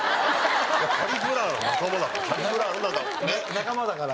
仲間だから？